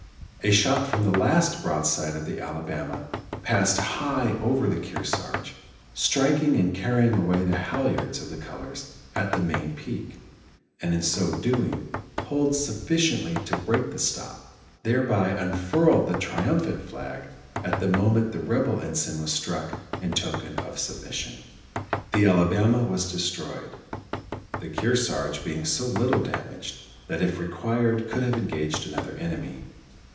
A shot from the last broadside of the Alabama passed high over the Kearsarge, striking and carrying away the halyards of the colors at the main peak, and in so doing, pulled sufficiently to break the stop, and thereby unfurled the triumphant flag at the moment the rebel ensign was struck in token of submission. The Alabama was destroyed the Kearsarge being so little damaged, that if required, could have engaged another enemy.